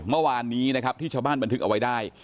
เมื่อวานนี้นะครับที่ชาวบ้านบันทึกเอาไว้ได้